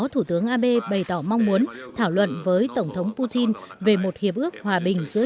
thủ tướng abe bày tỏ mong muốn thảo luận với tổng thống putin về một hiệp ước hòa bình giữa